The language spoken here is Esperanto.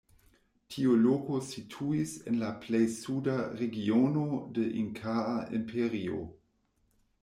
Tiu loko situis en la plej suda regiono de Inkaa imperio.